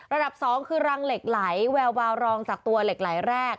สองคือรังเหล็กไหลแวววาวรองจากตัวเหล็กไหลแรก